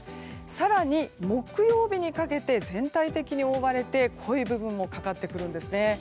更に木曜日にかけて全体的に覆われて濃い部分もかかってくるんですね。